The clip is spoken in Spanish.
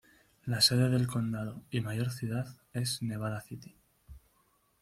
La sede del condado y mayor ciudad es Nevada City.